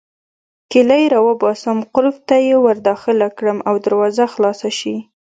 کیلۍ راوباسم، قلف ته يې ورداخله کړم او دروازه خلاصه شي.